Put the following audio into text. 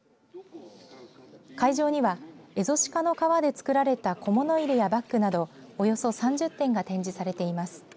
会場にはエゾシカの皮で作られた小物入れやバッグなどおよそ３０点が展示されています。